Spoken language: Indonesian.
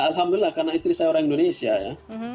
alhamdulillah karena istri saya orang indonesia ya